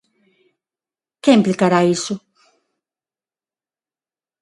Que implicará iso?